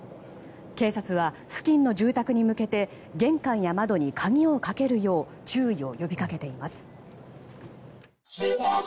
警察は付近の住宅に向けて玄関や窓に鍵をかけるよう注意を呼びかけています。